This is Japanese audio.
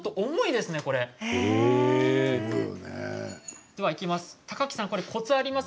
では、いきます。